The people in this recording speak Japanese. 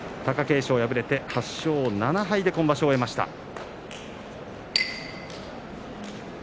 貴景勝、敗れて８勝７敗で今場所を終わりました。